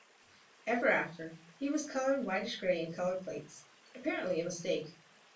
Ever after, he was colored whitish-grey in color plates, apparently a mistake.